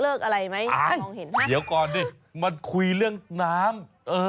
เดี๋ยวก่อนนะมันคุยเรื่องน้ำ